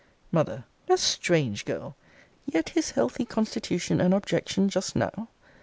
M. A strange girl! Yet his healthy constitution an objection just now!